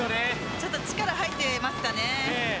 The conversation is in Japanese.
ちょっと力が入ってますかね。